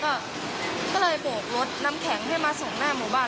ก็เลยโบกรถน้ำแข็งให้มาส่งหน้าหมู่บ้าน